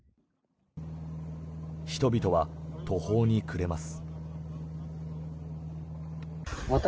人々は途方に暮れます。